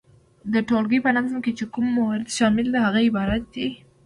د ټولګي په نظم کي چي کوم موارد شامل دي هغه عبارت دي،